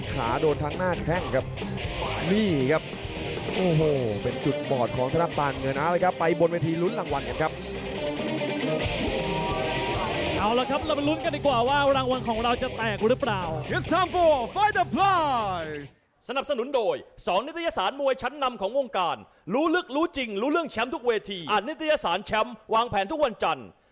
เอาล่ะครับเราไปรุ้นกันดีกว่าว่ารางวัลของเราจะแตกหรือเปล่า